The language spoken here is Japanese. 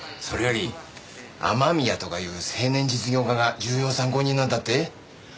それより雨宮とかいう青年実業家が重要参考人なんだって？